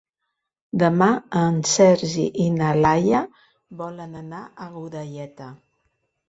Demà en Sergi i na Laia volen anar a Godelleta.